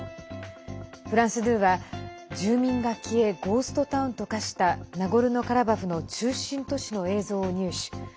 フランス２は住民が消えゴーストタウンと化したナゴルノカラバフの中心都市の映像を入手。